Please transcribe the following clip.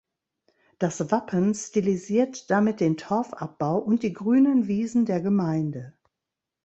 Das Wappen stilisiert damit den Torfabbau und die grünen Wiesen der Gemeinde.